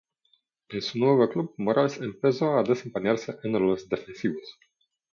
En su nuevo club, Morales empezó a desempeñarse en roles defensivos.